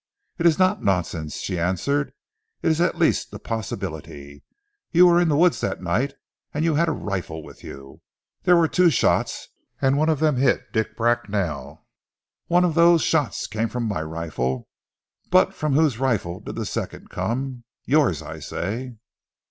"It is not nonsense," she answered. "It is at least a possibility. You were in the wood that night, and you had a rifle with you. There were two shots, and one of them hit Dick Bracknell. One of those shots came from my rifle, but from whose rifle did the second come? Yours! I say."